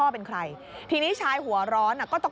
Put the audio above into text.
โปรดติดตามตอนต่อไป